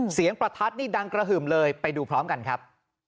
ประทัดนี่ดังกระหึ่มเลยไปดูพร้อมกันครับ